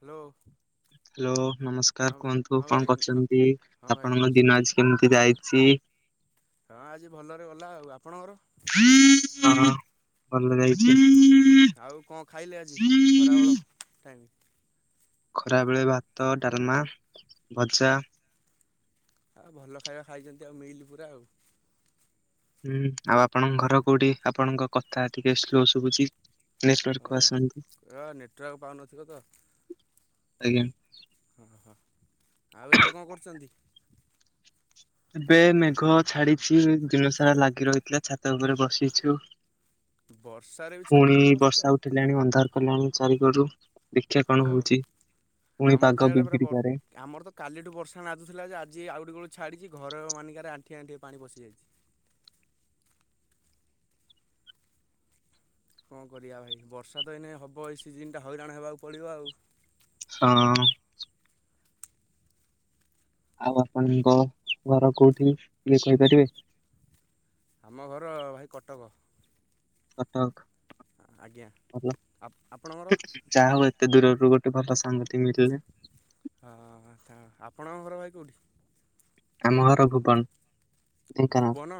Hello. Hello ନମସ୍ sir ହଁ କୁହନ୍ତୁ ହଁ ଭାଇ କଣ କରଛନ୍ତି ହଁ ଭାଇ ଆପଣଙ୍କ ଦିନ ନମସ୍କାର ଆଜି କେମିତି ଯାଇଛି? ହଁ ଆଜି ଭଲରେ ଗଲା ଆଉ ଆପଣଙ୍କର? ହଁ ଭଲ ଯାଇଛି। ଟାଇମ ଖରାବେଳେ ଭାତ, ଡାଲମା, ଭଜା ଆଉ ଭଲ ଖାଇବା ଖାଇଛନ୍ତି ଆଉ ମିଲ ପୁରା ଆଉ। ହୁଁ ଆଉ ଆପଣଙ୍କ ଘର କୋଉଠି ଆପଣଙ୍କ କଥା ଟିକେ ସ୍ଲୋ ଶୁଭୁଛି। ନେଟୱାର୍କକୁ ହଁ ଆସନ୍ତୁ ଏବା ନେଟୱାର୍କ ପାଉନଥିବ ତ। ଆଜ୍ଞା। ହଁ ହଁ ହଁ ଆଉ ଏବେ କଣ କରୁଛନ୍ତି? ଏବେ ମେଘ ଛାଡିଛି ଦିନ ସାରା ଲାଗି ରହିଥିଲା ଛାତ ଉପରେ ବସିଛୁ। ବର୍ଷାରେ ବି ଛାତ ପୁଣି ଉପରେ ବର୍ଷା ବସିଛ? ଅନ୍ଧାର କଲାଣି ଚାରିକରୁ ଦେଖିଆ ଓ କଣ ହଉଛି ପୁଣି ଆମର ତ ପାଗ ଇଆଡ଼େ ପୁରା ବ ବିଗିଡିପାରେ। ଆମର ତ କାଲିଠୁ ବର୍ଷା ନାଦୁଥିଲା ଯେ ଆଜି ଆଉଠିକ ବେଳୁ ଛାଡ଼ିଛି ଘର ମାନିକାରେ ଆଣ୍ଠି ଆଣ୍ଠିଏ ପାଣି ପଶିଯାଇଛି। କଣ କରିବା ଭାଇ ବର୍ଷା ତ ଏଇନେ ହବ ଏଇ ସିଜିନଟା ହଇରାଣ ହେବାକୁ ପଡ଼ିବ ଆଉ। ହଁ। ଆଉ ଆପଣଙ୍କ ଘର କୋଉଠି ଟିକେ କହିପାରିବେ? ଆମ ଘର ଭାଇ କଟକ। କଟକ। ଆଜ୍ଞା ଭଲ ଆପ ଆପଣଙ୍କର? ଯାହା ହଉ ଏତେ ଦୂରରୁ ଗୋଟେ ଭଲ ସାଙ୍ଗଟେ ମିଳିଛନ୍ତି। ହଁ ହଁ ଆପଣଙ୍କ ଘର ଭାଇ କୋଉଠି? ଆମ ଘର ଭୁବନ୍। ଭୁବନ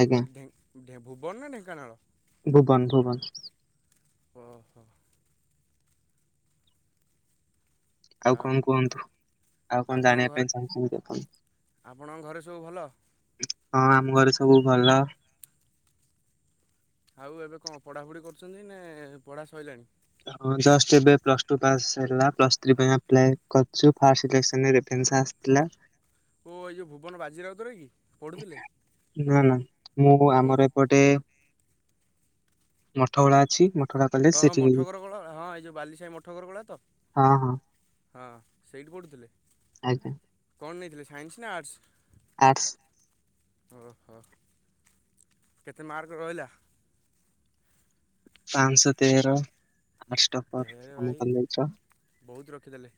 ଆଜ୍ଞା ଢେ ଢେ ଭୁବନ ନା ଢେଙ୍କାନାଳ? ଭୁବନ୍ ଭୁବନ୍। ଓ ହୋ। ଆଉ କଣ କୁହନ୍ତୁ। ଆଉ କଣ ଆପଣଙ୍କ ଜାଣିବା ଘରେ ପାଇଁ ଚାହୁଁଛନ୍ତି ଆପଣ? ଆପଣଙ୍କ ଘରେ ସବୁ ଭଲ ହଁ ଆମ ଘରେ ସବୁ ଭଲ। ଆଉ ଏବେ କଣ ପଢ଼ାପଢ଼ି କରୁଛନ୍ତି ନା ପଢ଼ା ସଇଲାଣି? ହଁ ଜଷ୍ଟ ଏବେ ପ୍ଲସ ଟୁ ପାସ୍ ହେଲା ପ୍ଲସ୍ ଥ୍ରୀ ପାଇଁ ଆପ୍ଲାଏ କରିଛୁ ଫାଷ୍ଟ ସିଲେକ୍ସନ ରେ ଜିନିଷ ଆସିଥିଲା। ଓ ଏଇ ଯୋଉ ଭୁବନ ବାଜିରାଉତର କି? ପଢ଼ୁଥିଲେ ନା ନା ମୁଁ ଆଉ କେଉଁଠି ଆମର ଏପଟ ଟେ ମଠ ଉଳା ଅଛି ମ ହଁ ହଁ ମଠ ଘର ଗୋଳା ହଁ ଏଇ ଯୋଉ ବାଲି ସାହି ମଠ ଘର ଗୋଳା ତ? ହଁ ହଁ ସେଇଠି ପଢ଼ୁଥିଲେ? ଆଜ୍ଞା। କଣ ନେଇଥିଲେ ସାଇନ୍ସ ନା ଆର୍ଟସ୍? ଆର୍ଟ୍ସ୍। ଓହୋ କେତେ ମାର୍କ ରହିଲା? ପାଁଶହ ତେର। ଫାଷ୍ଟ୍ ଟପର ଢେରେ ଆମ ଭାଇ କଲେଜର। ବହୁତ ରଖିଦେଲେ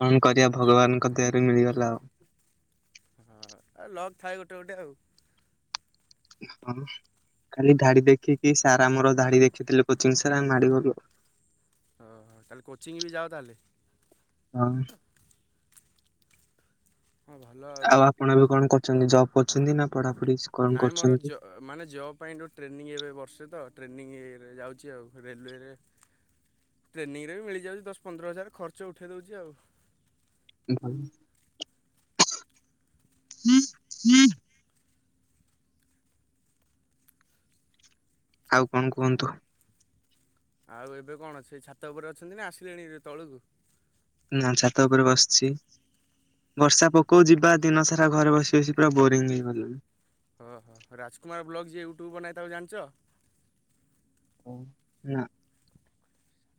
କଣ କରିବା ଭଗବାନଙ୍କ ଦୟାରୁ ମିଳିଗଲା ଆଉ। ହଁ, ଲକ୍ ଥାଏ ଗୋଟେ ଗୋଟେ ଆଉ। ହଁ ଖାଲି ଧାଡି ଦେଖିକି ସାର୍ ଆମର ଦାଢ଼ି ଦେଖିଥିଲେ ପଛକେ ସାର, ଆମେ ମାଡିଗଲୁ। ଓହୋ ତାହାଲେ କୋଚିଂ ବି ଯାଅ ତାହେଲେ ହଁ। ହଁ ଭଲ ଆଉ। କଣ ଏବେ କଣ କରୁଚନ୍ତି ଜବ୍ କରିଛନ୍ତି ନା ପଢାପଢି ସ୍। ନାଇ ମୋର ଜ ଅ ମାନେ ଜବ ପାଇଁ ଯୋଉ ଟ୍ରେନିଂ ଏବେ ବର୍ଷେ ତ ଟ୍ରେନିଂ ଇଏ ରେ ଯାଉଚି ଆଉ ରେଲୱେରେ। ଟ୍ରେନିଂରେ ବି ମିଳି ଯାଉଚି ଦଶ ପନ୍ଦର ହଜାର ଖର୍ଚ୍ଚ ଉଠେଇ ଦଉଚି ଆଉ। ଭଲ। [unintelligible] ଆଉ, କଣ କୁହନ୍ତୁ? ଆଉ ଏବେ କଣ ସେଇ ଛାତ ଉପରେ ଅଛନ୍ତି ନା ଆସିଲେଣି ଏବେ ତଳୁକୁ। ନା ଛାତ ଉପରେ ବସିଛି। ବର୍ଷା ପକଉ ଯିବା ଦିନ ସାରା ଘରେ ବସି ବସି ପୁରା ବୋରିଙ୍ଗ ହେଇଗଲିଣି। ଓ ହୋ, ରାଜକୁମାର ବ୍ଲଗ ଯିଏ ୟୁଟ୍ୟୁବ ବନାଏ ତାକୁ ଜାଣିଚ। ମୁଁ ନାଁ।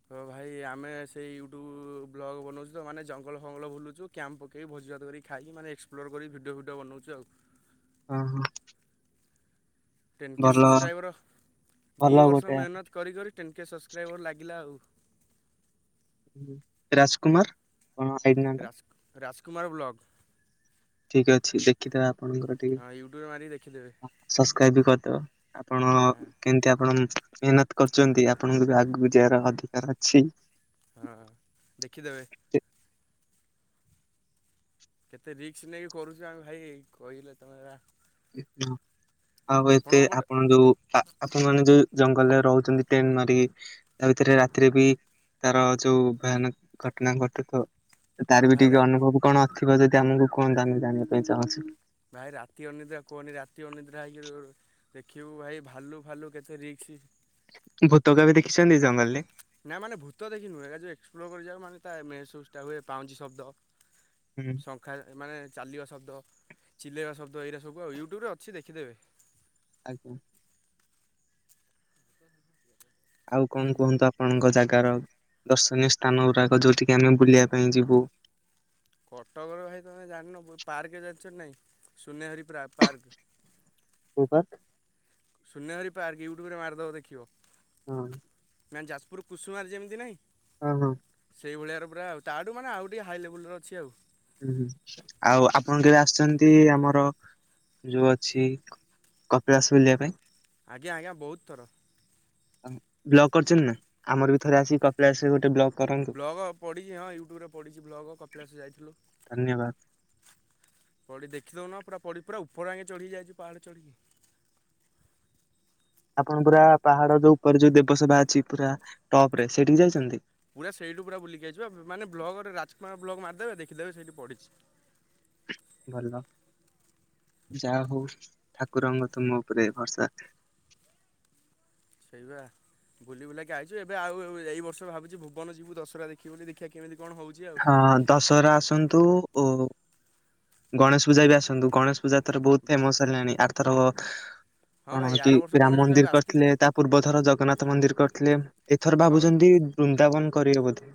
ତ ଭାଇ ଆମେ ସେଇ ୟୁଟ୍ୟୁବ ବ୍ଲଗ୍ ବନଉଚୁ ତ ମାନେ ଜଙ୍ଗଲ ଫଙ୍ଗଲ ବୁଲୁଚୁ। କ୍ୟାମ୍ ପକେଇ ଭୋଜିଭାତ କରି ଖାଇକି ମାନେ ଏକ୍ସପ୍ଲୋର୍ କରି ଭିଡ଼ିଓ ଫିଡ଼ିଓ ବନଉଚୁ ଆଉ। ଅ ହଁ। ଟେନ୍ କେ ସସ୍କ୍ରାଇବର ଦି ଭଲ ବର୍ଷ ଗୋଟେ ମେହେନତ କରିିକରି ଟେନ୍ କେ ସସ୍କ୍ରାଇବର ଲାଗିଲା ଆଉ। ରାଜକୁମାର ହଁ, ସେଇଦିନ ରାଜକୁ ରାଜକୁମାର ବ୍ଲଗ। ଠିକ ଅଛି ଦେଖିଦେବା ଆପଣଙ୍କର ଟିକେ। ହଁ ୟୁଟ୍ୟୁବରେ ମାରିଦେଖି ଦେବେ। ସବସ୍କ୍ରାଇବ ବି କରିଦବ, ଆପଣ ଯେମିତି ଆପଣ ମେହେନତ କରୁଛନ୍ତି ଆପଣଙ୍କୁ ବି ଆଗକୁ ଯିବାର ଅଧିକାର ଅଛି। ହଁ, ଦେଖିଦେବେ। କେତେ ରିକ୍ସ ନେଇ କରୁଛୁ ଆମେ ଭାଇ କହିଲେ ତମେ ବା ଥୁ, ଆଉ ଏତେ ପଟେ ଆପଣ ଯୋଉ ଆପଣ ମାନେ ଯୋଉ ଜଙ୍ଗଲରେ ରହୁଛନ୍ତି ଟେଣ୍ଟ ମାରିକି। ତା ଭିତରେ ରାତିରେ ବି ତାର ଯୋଉ ଭୟାନକ ଘଟଣା ଘଟୁ ଥବ। ଆଉ ତାର ବି ଭାଇ ରା ଟିକେ ଅନୁଭବ କଣ ଥିବ ଯଦି ଆମକୁ କୁହନ୍ତୁ, ଆମେ ଜାଣିବା ପାଇଁ ଚାହୁଁଛୁ। ଭାଇ ରାତି ଅନିଦ୍ରା କୁହନି ରାତି ଅନିଦ୍ରା ହେଇକି ରହୁ। ଦେଖିବୁ ଭାଇ ଭାଲୁ ଫାଲୁ କେତେ ରିକ୍ସ। ଭୂତ କେବେ ଦେଖିଛନ୍ତି ଜଙ୍ଗଲରେ? ନାଁ ମାନେ ଭୂତଦେଖି ନୁହେଁ ଏଜେ ଏକ୍ସପ୍ଲୋର କରିିଯାଉ ମାନେ ତା ମେହେସୁସ ଟା ହୁଏ ପାଉଁଜି ଶବ୍ଦ। ହୁଁ, ଶଙ୍ଖାର ମାନେ ଚାଲିବା ଶବ୍ଦ ଚିଲେଇବା ଶବ୍ଦ ଏଇରା ସବୁ ଆଉ ୟୁଟ୍ୟୁବରେ ଅଛି ଦେଖିଦେବେ। ଆଜ୍ଞା। ଆଉ କଣ କୁହନ୍ତୁ ଆପଣଙ୍କ ଜାଗାର ଦର୍ଶନୀୟ ସ୍ଥାନ ଗୁଡାକ ଯୋଉଠ କିି ଆମେ ବୁଲିବା ପାଇଁ ଯିବୁ। କଟକର ଭାଇ ତମେ ଜାଣିନ ପାର୍କ ଜାଣିଛ ନାହିଁ ସୁନେହେରି ପାର ପାର୍କ। କୋଉ ପାକ? ସୁନେହେରି ପାର୍କ ୟୁଟ୍ୟୁବରେ ମାରିଦବ ଦେଖିବ। ହୁଁ। ମାନେ ଯାଜପୁର କୁସୁମାରେ ଯେମିତି ନାହିଁ? ହଁ, ହଁ, ସେଇଭଳିଆର ପୁରା ତାଠୁ ମାନେ ଆଉ ଟିକେ ହାଇ ଲେବୁଲ୍ର ର ଅଛି ଆଉ। ହୁଁ, ହୁଁ ଆଉ ଆପଣ କେବେ ଆସିଛନ୍ତି ଆମର ଯୋଉ ଅଛି କପିଳାସ ବୁଲିବା ପାଇଁ। ଆଜ୍ଞା ଆଜ୍ଞା ବହୁତ ଥର। ବ୍ଲକ୍ କରିଛନ୍ତି ନା। ଆମର ବି ଥରେ ହଁ ଆସିିକି କପିଳାସରେ ଗୋଟେ ବ୍ଲଗ କରନ୍ତୁ। ବ୍ଲଗ ପଡ଼ିଛି ହଁ ୟୁଟ୍ୟୁବରେ ପଡ଼ିଛି ବ୍ଲଗ ଧନ୍ୟବାଦ। ପଡି ଦେଖିଦଉନ ପୁରା ପଡି ପୁରା ଉପର ଆଗେ ଚଢି ଯାଇଛି ପାହାଡ ଚଢିକି। ଆପଣ ପୁରା ପାହାଡ ଯୋଉ ଉପରେ ଯୋଉ ଦେବସଭା ଅଛି ପୁରା ଟପ ରେ ସେଠିକି ଯାଇଛନ୍ତି? ପୁରା ସେଇଠୁ ପୁରା ବୁଲିକି ଆଇଚୁ ବା ମାନେ ବ୍ଲଗରେ ରାଜକୁମାର ବ୍ଲଗ ମାରିଦେବେ ଦେଖଦେବେ ସେଇଠି ପଢିଛି। ଭଲ ଯାହା ହଉ ଠାକୁରଙ୍କ ତୁମ ଉପରେ ଭରସା। ସେଇବା। ବୁଲି ବୁଲାକି ଆଇଛୁ ଏବେ ଆଉ ଏଇ ବର୍ଷ ଭାବୁଛି ଭୁବନ ଯିବୁ ଦଶହରା ଦେଖିବୁ ବୋଲି ଦେଖିବା କେମିତି କଣ ହଉଛି। ହଁ ଦଶହରା ଆସନ୍ତୁ ଓ ଗଣେଶ ପୂଜା ବି ଆସନ୍ତୁ ଗଣେଶ ପୂଜା ଥର ବହୁତ ଫେମସ ହେଲାଣି ଆର୍ଥର ହଁ କଣ ଭାଇ ସେଠି ଆର ବର୍ଷ ରାମ ଗଣେଶ ପୂଜାକୁ ମନ୍ଦିର ଆସିଥିଲୁ କରିଥିଲେ ତା ପୂର୍ବ ଥର ଜଗନ୍ନାଥ ମନ୍ଦିର କରିଥିଲେ। ଏଥର ହଁ ଭାବୁଛନ୍ତି ବୃନ୍ଦାବନ କରିବ ବୋଧେ!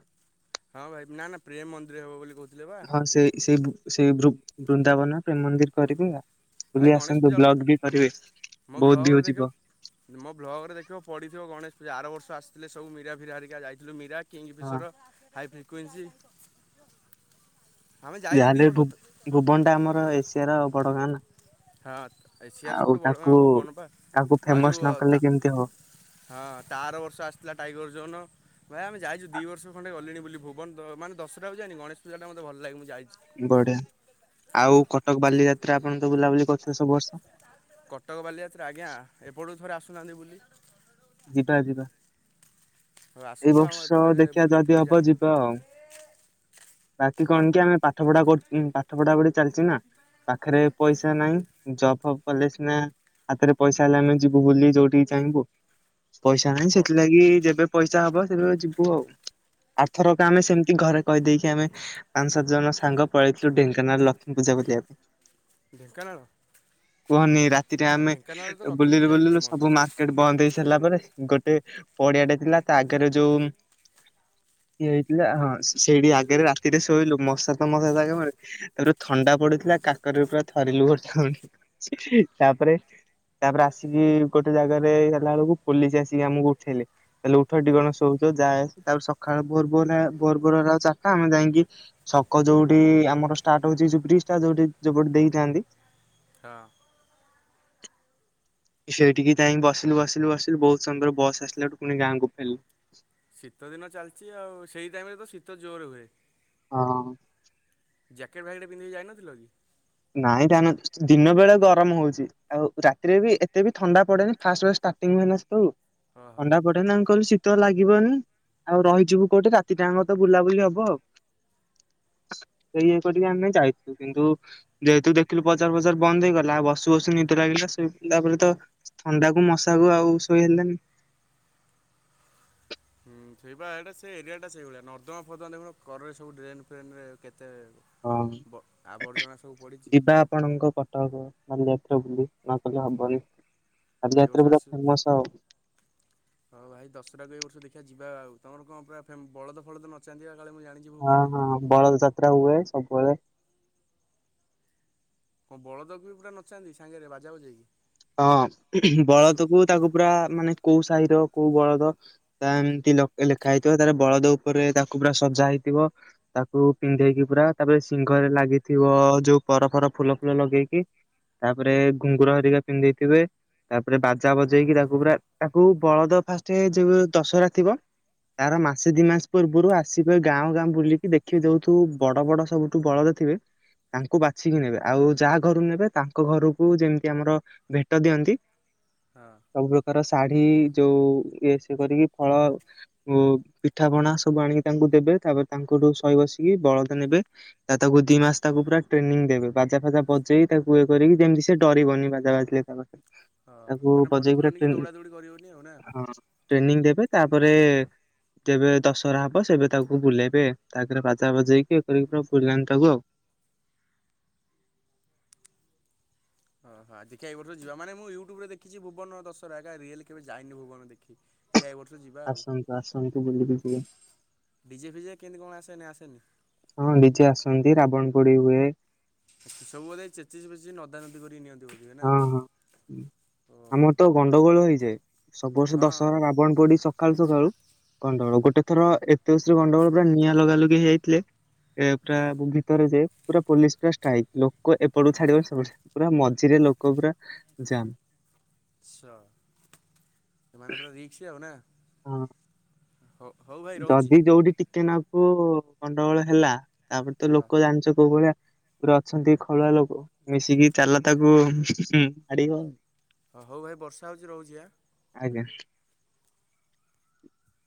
ହଁ ଭାଇ ନା ନା ପ୍ରେମ ମନ୍ଦିର ହବ ବୋଲି କହୁଥିଲେ ବା। ସେ ସେଇ ଭୁ ସେଇ ବୃ ବୃନ୍ଦାବନ।। ପ୍ରେମ୍ ମନ୍ଦିର କରିବେ ଆ ଭାଇ ବୁଲି ଗଣେଶ ଆସନ୍ତୁ ପୂଜା ବେଳୁ ବ୍ଲଗ ବି କରିବେ ମୋ ବହୁତ ଭ୍ଲଗରେ ଭିଓ ଦେଖିବ ଯିବ। ମୋ ବ୍ଲଗ ରେ ଦେଖିବ ପଡିଥିବ ଗଣେଶ ପୂଜା ଆର ବର୍ଷ ଆସିଥିଲେ ସବୁ ମିୀରା ଫିରା ହରିକା ଯାଇଥିଲୁ ମୀରା ହଁ କିଙ୍ଗଫିସ୍ର ହାଇ ଫ୍ରିକଏନ୍ସି। ଯାହାହେଲେ ଭୁବନ ଟା ଆମର ଏସିଆ ର ବଡ ଗାଁ ନା।। ହଁ ଏସିଆର ଆଉ ସବୁଠୁ ବଡ଼ ଗାଁ ତାକୁ ଭୁବନ ପା ତାକୁ ଆଉ ଫେମସ ନ ଯୋଉତା କଲେ କେମିତି ହବ ହଁ ତା ଆର ବର୍ଷ ଆସିଥିଲା ଟାଇଗର ଜୋନ? ଭାଇ ଆମେ ଯାଇଛୁ ଦି ବର୍ଷ ଖଣ୍ଡେ ଗଲିଣି ବୋଲି ଭୁବନ ମାନେ ଦଶଟାକୁ ଯାଇଏଣି ଗଣେଶ ପୂଜା ଟା ମତେ ଭଲ ଲାଗେ ମୁଁ ଯାଇଛି। ବଢିଆ ଆଉ କଟକ ବାଲିଯାତ୍ରା ଆପଣ ତ ବୁଲାବୁଲି କରୁଥିବେସବୁ ବର୍ଷ? କଟକ ବାଲିଯାତ୍ରା ଆଜ୍ଞା ଏପଟୁ ଥରେ ଆସୁନାହାନ୍ତି ବୁଲି। ଯିବା ଯିବା। ହଉ ଏଇ ଆସନ୍ତୁ ଆମ ବର୍ଷ ଏପଟେ ଦେଖିବା ବୁଲିକି ଯଦି ଥରେ ହବ ଯାଆନ୍ତୁ ଯିବା ଆଉ। ବାକି କଣ କି ଆମେ ପାଠ ପଢା ପାଠ ପଢା ଗଢି ଚାଲିଚ ନା ପାଖେରେ। ପଇସା ନାହିଁ ଜବ୍ ହପ୍ କଲେ ସି ନା ହାତରେ ପଇସା ହେଲେ ଆମେ ଯିବୁବୁଲି ଯୋଉଠିକି ଚାହିଁବୁ। ପଇସା ନାହିଁ ସେଥିଲାଗି ଯେବେ ପଇସା ହବ ସେବେ ଯିବୁ ଆଉ ଆଥରକ ଆମେ ସେମତି ଘରେ କହିଦେଇକି ଆମେ ପାଞ୍ଚ ସାତ ଜଣ ସାଙ୍ଗ ପଳେଇଥିଲୁ ଢେଙ୍କାନାଳ ଲକ୍ଷ୍ମୀ ପୂଜା ବଲିବା ପାଇଁ। ଢେଙ୍କାନାଳ କୁହନି ରାତିରେ ଆମେ ଢେଙ୍କାନାଳ ତ ଲକ୍ଷ୍ମୀ ବୁଲିଲୁ ପୂଜା ବି ବୁଲିଲୁ ସବୁ ମା ଫେମସ୍ ସେଠୁ ବନ୍ଦ ହେଇ ସାରିଲା ପରେ ଗୋଟେ ପଡିଆଟେ ଥିଲା ତା ଆଗରେ ଯୋଉ ଇଏ ହେଇଥିଲା ହଁ ସେଇଠି ଆଗରେ ସେଠି ଶୋଇଲୁ ମଶା ତ ମସା ତାପରେ ଥଣ୍ଡା ପଡୁଥିଲା କାକରରେ ପୁରା ଥରିଲୁ ଗୋଟା ପୁଣି। ତାପରେ ତାପରେ ଆସିକି ଗୋଟେ ଜାଗାରେ ହେଲା ବେଳକୁ ପୋଲିଚ ଆସିକି ଆମକୁ ଉଠେଇଲେ। ତାଲେ ଉଠା ଏଟିକଣ ଶୋଉଛ ଯା ତା ସକାଳ ଭରଭର ଆଉ ଚାରଟା ଆମେ ଯାଇକି ଶକ ଯୋଉଠି ଆମର ଷ୍ଟାର୍ଟ ହଉଛିୁ ଯୁପ୍ରିଷ୍ଟ ଯୋଉ ପଟ ଦେଇ ଯାଆନ୍ତି। ହଁ। ସେଇଠିକି ଯାଇକି ବସିଲୁ ବସିଲୁ ବସିଲୁ ବହୁତ ସମୟରେ ବସ ଆସିଲାୋଠୁ ପୁଣି ଗାଁକୁ ଫେରୁଲୁ। ଶୀତଦିନ ଚାଲିଛି ଆଉ ସେଇ ଟାଇମେ ତ ଶୀତ ଜୋର ହୁଏ। ହଁ। ଜ୍ୟାକେଟ ଭ୍ୟାକଟ ପନ୍ଧିକି ଯାଇନଥିଲ କି? ନାଇଁ ଯାଇନ ଦିନ ବେଳେ ଗରମ ହଉଛି। ଆଉ ରାତିରେ ବି ଏତେ ବି ଥଣ୍ଡା ପଡେନି ଫାଷ୍ଟ ଫାଷ୍ଟ ଷ୍ଟାର୍ଟିଂ ହୁଏନା ସେ ହଁ ହଁ। ଥଣ୍ଡା ପଡେ। ଦେନାଙ୍କର ଶୀତ ଲାଗିବନି। ରହିଯିବୁ କୋଉଠି ରାତି ଟାଙ୍କ ତ ବୁଲାବୁଲି ହବ ଆଉ। ସେ ଇଏ କରିବେ ଆମେ ଯାଇଥିଲୁ କିନ୍ତୁ ଯେହେତୁ ଦେଖିଲୁ ବଜାର ବଜାର ବନ୍ଦ ହେଇଗଲାଉ ବସୁ ବସୁ ନିଦ ଲାଗିଲା ଶୋ ତାପରେ ତ ଥଣ୍ଡା କୁ ମଶା କୁ ଆଉ ଶୋଇ ହେଲେଣିି। ହୁଁ ସେଇବା ଏଇଟା ସେ ଏରିଆଟା ସେଇଭଳିଆ ନର୍ଦ୍ଦମା ଫର୍ଦ୍ମାର୍ଦ୍ଦମା ଦେଖୁ କରରେ ସବୁ ଡ୍ରେନ ଫେନରେ କେତେ ହଁ ବ ଆବର୍ଜନା ସବୁ ପଡ଼ିଛି ଯିବା ଆପଣଙ୍କ କଟକ। କାଲି ଯାଇଥିଲ ବୁଲି ନଗଲେ ହବନି। ଏଇ ବାଲିଯାତ୍ରା ବର୍ଷ ପୁରା ଆସୁ। ଫେମସ ଆଉ। ହଁ ଭାଇ ଦଶଟାକୁ ଏ ବର୍ଷ ଦେଖିବା ଯିବା ଆଉ ତମର କଣ ପୁରା ବଳଦ ଫଳଦ ନଚାନ୍ତି କାଳେ ମୁଁ ଜାଣିଛି। ହଁ ଭୁବନରେ? ହଁ ବଲଦ ଯାତ୍ରା ହୁଏ ସବୁବେଳେ ହଁ ବଳଦକୁ ବି ପୁରା ନଚାନ୍ତି ସାଙ୍ଗରେ ବାଜା ବଜେଇକି? ହଁ ମୁଁ ଶୁ ବଳଦ କୁ ତାକୁ ପୁରା ମାନେ କୋଉ ସାହିର କୋଉ ବଳଦ ତା ଏମିତି ଲ ଲେଖା ହେଇଥିବ ତାପରେ ବଳଦ ଉପରେ ତାକୁ ପୁରା ସଜା ହେଇଥିବ। ତାକୁ ପିନ୍ଧେଇକି ପୁରା ତାପରେ ଶିଂହରେ ଲାଗିଥିବ ଯୋଉ ପର ଫର ଫୁଲ ଫୁଲ ଲଗେଇକି ତାପରେ ଘୁଙ୍ଗୁର ହେରିକା ପିନ୍ଧିଥିବେ ତାପରେ ବାଜା ବଜେଇକି ତାକୁ ପୁରା ତାକୁ ବଳଦ ଫାଷ୍ଟ ଜଉ ଦଶହରା ଥିବ ତାର ମାସେ ଦି ମାସ ପୂର୍ବରୁ ଆସିବେ ଗାଁ ଗାଁ ବୁଲିକି ଦେଖି ଯେହେଥୁ ବଡ଼ ବଡ଼ ସବୁ ବଳଦ ଥିବେ ତାଙ୍କୁ ବାଛିକି ନେବେ ଆଉ ଯାହା ଘରୁ ନେବେ ତାଙ୍କ ଘରକୁ ଯେମିତି ଆମର ଭେଟ ଦିଅନ୍ତି ହଁ। ସବୁ ପ୍ରକାର ଶାଢ଼ୀ ଯୋଉ ଇଏ ସିଏ କରିକି ଫଳ ଓ ପିଠା ପଣା ସବୁ ଆଣିକି ତାଙ୍କୁ ଦେବେ ତାପରେ ତାଙ୍କଠୁ ଶଇ ବସିକି ବଳଦ ନେବେ। ତା ତାକୁ ଦି ମାସ ତାକୁ ପୁରା ଟ୍ରେନିଂ ଦେବେ ବାଜା ଫାଜା ବଜେଇ ତାକୁ ଇଏ କରିକି ଯେମିତି ସେ ଡରିବନି ବାଜା ବାଜିଲେ [unintelligible] ହଁ ତାକୁ ମାନେ ବଜେଇ ଭଡ଼କିବନି କି ଟ୍ରେନିଂ ଦୌଡ଼ା ଦୌଡ଼ି କରିବନି ଆଉ ନା? ହଁ। ଟ୍ରେନିଂ ଦେବେ ତାପରେ ତେବେ ଦଶହରା ହବ ସେବେ ତାକୁ ବୁଲେଇବେ ତାଗରେ ବାଜା ବଜେଇକି କରିକି ପୁରା ବୁଲାନ୍ତି ତାକୁ ଆଉ। ହଁ ହଁ ଦେଖିବା ଏ ବର୍ଷ ଯିବା ମାନେ ମୁଁ ୟୁଟ୍ୟୁବରେ ଦେଖଛି ଭୁବନ ଦଶହରା ଏକା ରିଏଲ କେବେ ଯାଇନି ଭୁବନ ଦେଖି। ଦେଖିବା ଏ ବର୍ଷ ଯିବା। ଆଉ ଆସନ୍ତୁ ଆସନ୍ତୁ ବୁଲିକି ଯିବେ। ଡିଜେ ଫିଜେ କେମତି କଣ ଆସେ ନା ଆସେନି? ହଁ ଡିଜେ ଆସନ୍ତି ରାବଣ ପୋଡ଼ି ହୁଏ। ସବୁ ବୋଧେ ଚେଚିସ୍ ଫେଚିସ୍ ନଦା ନଦୀ କରିକି ନିଅନ୍ତି? ବୋଧେ ନା ହଁ ହଁ ହଁ। ଓହୋ। ଆମର ତ ଗଣ୍ଡଗୋଳ ହେଇଯାଏ ସବୁ ବର୍ଷ ହଁ ଦଶହରା ରାବଣ ପୋଡ଼ି ସ ସକାଳୁ ସକାଳୁ ଗଣ୍ଡଗୋଳ ଗୋଟେ ଥର ଏତେ ଜୋର୍ ସେ ଗଣ୍ଡଗୋଳ ପୁରା ନିଆଁ ଲଗା ଲଗି ହେଇଯାଇଥିଲେ। ଏ ପୁରା ଭିତରେ ଯେ ପୁରା ପୋଲିସ ପୁରା ଷ୍ଟ୍ରାଇକ୍ ଲୋକ ଏପଟୁ ଛାଡ଼ିବେନୀ ସେପଟୁ ଛା ପୁରା ମ ଝିରେ ଲୋକ ପୁରା ଯାମ୍ ସ ଏ ମାନ ପୁରା ରିକ୍ସ ଆଉ ନା? ହଁ ହଉ ହଉ ଭାଇ ରହୁଛି ଯଦି ଯୋଉଠି ଟିକେ ନା କୁ ଗଣ୍ଡଗୋଳ ହେଲା ତାପରେ ତ ହଁ। ଲୋକ ଜାଣିଛ କୋଉ ଭଳିଆ ପୁରା ଅଛନ୍ତି ଖଳୁଆ ଲୋକ ମିଶିକି ଚାଲ ତାକୁ ମାଡ଼ିବା। ହଁ ହଉ ଭାଇ ବର୍ଷା ହେଉଛି ରହୁଛି ଆଁ। ଆଜ୍ଞା।